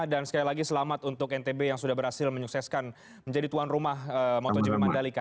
dan sekali lagi selamat untuk ntb yang sudah berhasil menyukseskan menjadi tuan rumah motogp mandalika